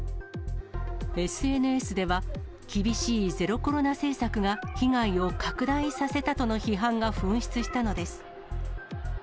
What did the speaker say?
ＳＮＳでは、厳しいゼロコロナ政策が被害を拡大させたとの批判が噴出したのです。